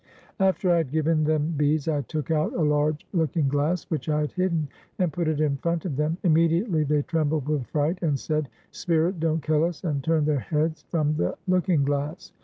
After I had given them beads I took out a large look ing glass which I had hidden, and put it in front of them. Immediately they trembled with fright, and said, "Spirit, don't kill us!" and turned their heads from the looking glass.